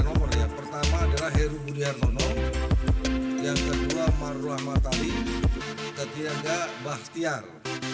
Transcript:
nomor yang pertama adalah heru budiarnono yang kedua marulah martali ketiaga baktiar